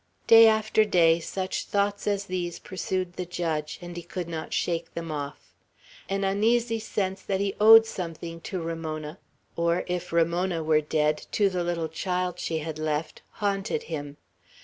Day after day such thoughts as these pursued the judge, and he could not shake them off. An uneasy sense that he owed something to Ramona, or, if Ramona were dead, to the little child she had left, haunted him.